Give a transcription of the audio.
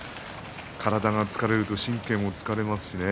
体が疲れると神経も疲れますしね。